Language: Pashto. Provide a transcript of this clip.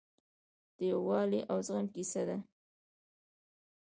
د یووالي او زغم کیسه ده.